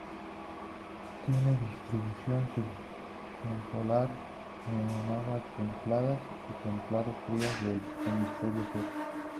Tiene distribución circumpolar en aguas templadas y templado-frías del Hemisferio Sur.